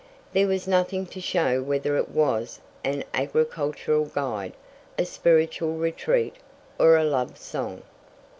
There was nothing to show whether it was an agricultural guide, a spiritual retreat, or a love song.